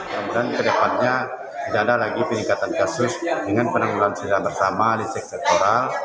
kemudian kedepannya tidak ada lagi peningkatan kasus dengan penanggulangan diare bersama lisek sektoral